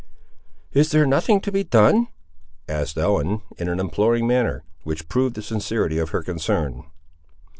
"Is there nothing to be done?" asked Ellen, in an imploring manner, which proved the sincerity of her concern.